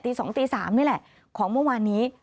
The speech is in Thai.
๒ตี๓นี่แหละของเมื่อวานนี้